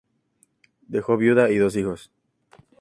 Dejó viuda y dos hijos.